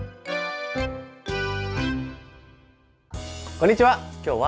こんにちは。